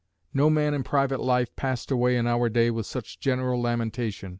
No man in private life passed away in our day with such general lamentation.